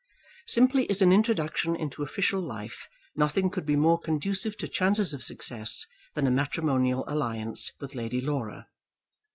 Simply as an introduction into official life nothing could be more conducive to chances of success than a matrimonial alliance with Lady Laura.